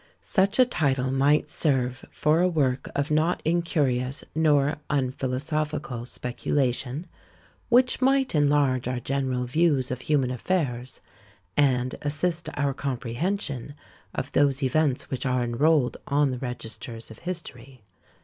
Such a title might serve for a work of not incurious nor unphilosophical speculation, which might enlarge our general views of human affairs, and assist our comprehension of those events which are enrolled on the registers of history.